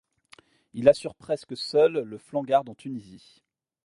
Il assure presque seul le flanc-garde en Tunisie.